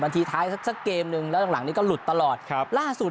ทีท้ายสักสักเกมนึงแล้วหลังหลังนี้ก็หลุดตลอดครับล่าสุด